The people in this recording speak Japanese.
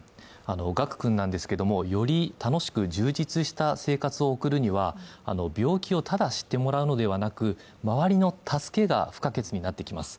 賀久君ですが、より楽しく充実した生活を送るには、病気をただ知ってもらうのではなく、周りの助けが不可欠になってきます。